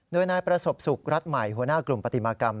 โดยนายประสบสุขรัฐใหม่หัวหน้ากลุ่มปฏิมากรรม